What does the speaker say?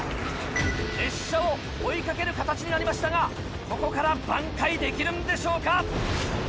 列車を追い掛ける形になりましたがここから挽回できるんでしょうか？